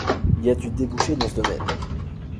Il y a du débouché dans ce domaine.